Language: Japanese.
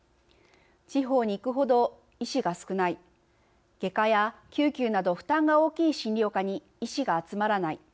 地方に行く程医師が少ない外科や救急など負担が大きい診療科に医師が集まらない。